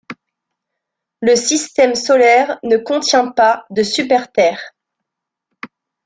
Le Système solaire ne contient pas de super-Terre.